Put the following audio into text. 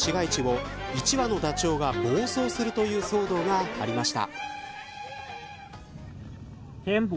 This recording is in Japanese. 市街地を１羽のダチョウが暴走するという騒動がありました。